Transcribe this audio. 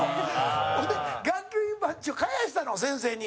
ほんで、学級委員バッジを返したの、先生に。